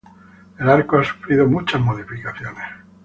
El arco ha sufrido muchas modificaciones.